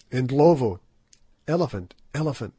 Indlovu!" "Elephant! Elephant!"